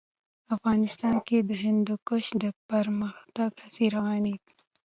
افغانستان کې د هندوکش د پرمختګ هڅې روانې دي.